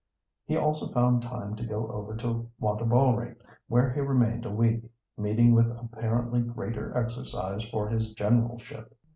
He also found time to go over to Wantabalree, where he remained a week, meeting with apparently greater exercise for his generalship.